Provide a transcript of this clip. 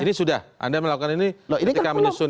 ini sudah anda melakukan ini ketika menyusun